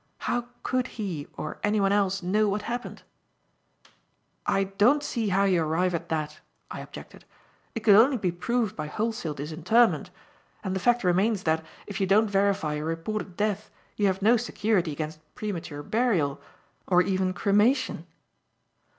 How could he, or anyone else, know what happened? "I don't see how you arrive at that," I objected. "It could only be proved by wholesale disinterment. And the fact remains that, if you don't verify a reported death you have no security against premature burial or even cremation."